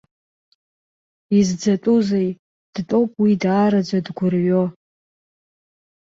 Изӡатәузеи, дтәоуп уи даараӡа дгәырҩо!